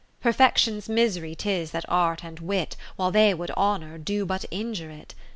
Perfection's misery 'tis that Art and Wit, While they would honour, do but injure it.